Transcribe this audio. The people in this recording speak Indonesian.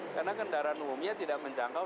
karena kendaraan umumnya tidak menjangkau